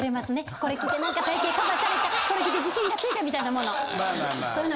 これ着て何か体形カバーされたこれ着て自信がついたみたいなもの。